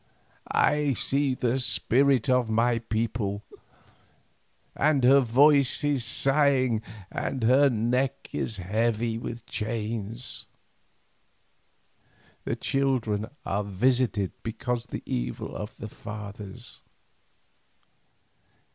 I see the Spirit of my people, and her voice is sighing and her neck is heavy with chains. The children are visited because of the evil of the fathers.